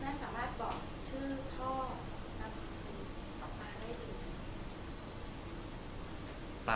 แม่สามารถบอกชื่อพ่อนามสัตว์ต่อมาได้ดีไหมคะ